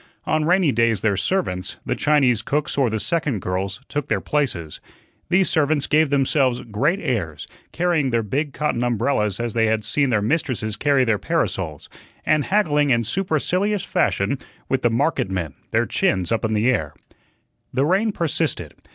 On rainy days their servants the Chinese cooks or the second girls took their places. These servants gave themselves great airs, carrying their big cotton umbrellas as they had seen their mistresses carry their parasols, and haggling in supercilious fashion with the market men, their chins in the air. The rain persisted.